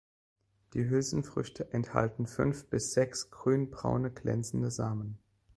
Die Hülsenfrüchte enthalten fünf bis sechs grün-braune glänzende Samen.